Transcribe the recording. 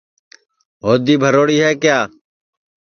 ہودی بھروڑی ہے کِیا